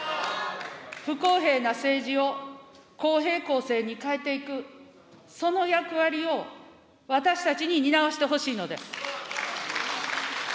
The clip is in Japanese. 不公平な政治を公平・公正に変えていく、その役割を私たちに担わしてほしいのです。